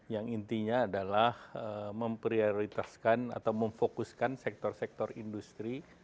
yang intinya adalah memprioritaskan atau memfokuskan sektor sektor industri